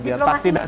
diplomasi beja makan